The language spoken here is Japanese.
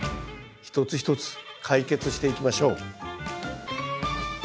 一つ一つ解決していきましょう。